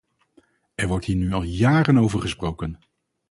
Er wordt hier nu al jaren over gesproken.